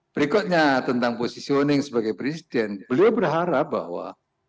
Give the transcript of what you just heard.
berikutnya tentang positioning sebagai presiden beliau berharap bahwa